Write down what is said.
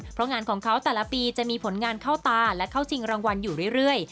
เพราะงานของเขาแต่ละปีจะมีผลงานเข้าตาและเข้าชิงรางวัลอยู่เรื่อย